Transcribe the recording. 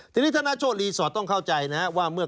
ทีนี้ธนโชธรีสอร์ทต้องเข้าใจนะครับว่าเมื่อ